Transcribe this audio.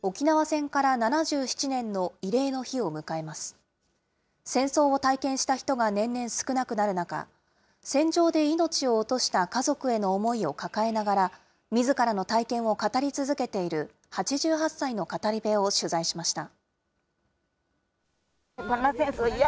戦争を体験した人が年々少なくなる中、戦場で命を落とした家族への思いを抱えながら、みずからの体験を語り続けている８８歳の語り部を取材しました。